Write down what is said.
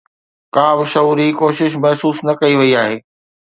ڪابه شعوري ڪوشش محسوس نه ڪئي وئي آهي